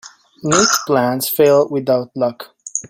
Neat plans fail without luck.